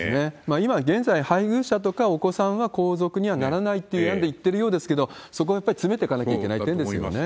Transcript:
今現在、配偶者とかお子さんは皇族にはならないという案でいってるようですけれども、そこはやっぱり詰めてかなきゃいけないですよね。